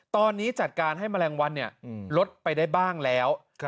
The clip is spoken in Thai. ตอนนี้จัดการให้แมลงวันลดไปได้บ้างแล้ว